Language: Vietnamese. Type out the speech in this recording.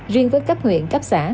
riêng với cấp huyện cấp xã